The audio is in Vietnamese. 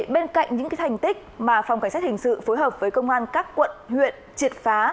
bên cạnh những thành tích mà phòng cảnh sát hình sự phối hợp với công an các quận huyện triệt phá